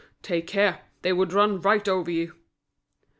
"Take care! they would run right over you."